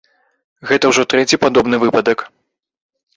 Гэта ўжо трэці падобны выпадак.